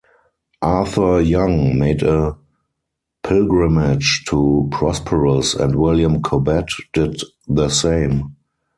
Arthur Young made a pilgrimage to Prosperous, and William Cobbett did the same.